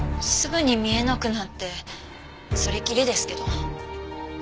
すぐに見えなくなってそれきりですけど。